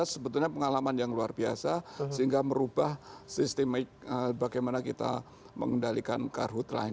dua ribu lima belas sebetulnya pengalaman yang luar biasa sehingga merubah sistemik bagaimana kita mengendalikan karhutlah ini